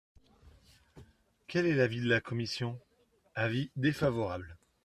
Quel est l’avis de la commission ? Avis défavorable.